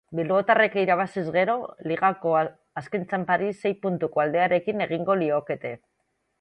Bilbotarrek irabaziz gero, ligako azken txanpari sei puntuko aldearekin ekingo liokete.